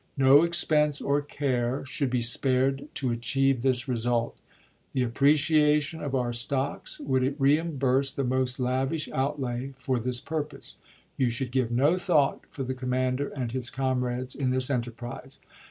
No expense or care should be spared to achieve this result. The appreciation of our stocks would reimburse the most lavish outlay for this purpose. "You should give no thought for the commander and his comrades in this enterprise.